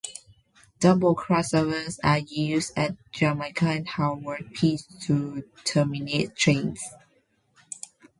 Double crossovers are used at Jamaica and Howard Beach to terminate trains.